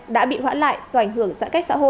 đã bị hoãn lại do ảnh hưởng giãn cách xã hội